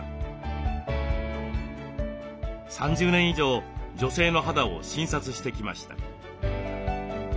３０年以上女性の肌を診察してきました。